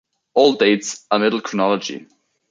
All dates are middle chronology.